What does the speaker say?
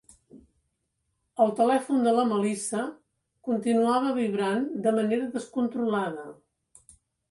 El telèfon de la Melissa continuava vibrant de manera descontrolada.